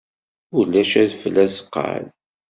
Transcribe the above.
Ulac adfel azeqqal.